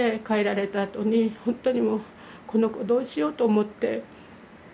帰られたあとにほんとにもうこの子どうしようと思って。